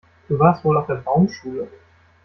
Du warst wohl auf der Baumschule.